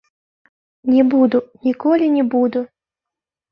Не буду, ніколі не буду!